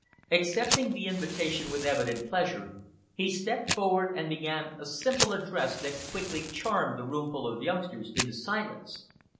Accepting the invitation with evident pleasure, he stepped forward and began a simple address that quickly charmed the roomful of youngsters into silence.